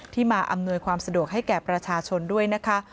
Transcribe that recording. มาอำนวยความสะดวกให้แก่ประชาชนด้วยนะคะ